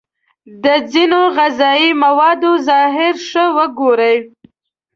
د ځینو غذايي موادو ظاهر ښه وگورئ.